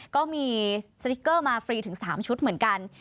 ก็มีสติ๊กเกอร์มาฟรีถึง๓ชุดเหมือนกัน